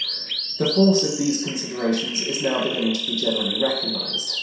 The force of these considerations is now beginning to be generally recognized.